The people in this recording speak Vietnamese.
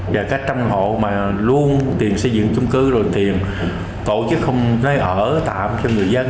và các trăm hộ mà luôn tiền xây dựng chung cư rồi tiền tổ chức không nơi ở tạm cho người dân